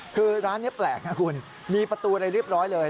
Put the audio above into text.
คือร้านนี้แปลกนะคุณมีประตูอะไรเรียบร้อยเลย